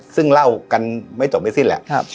ซึ่งเล่ากันไม่จบไม่สิ้นแหละ